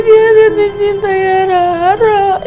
dia datang cintanya arah arah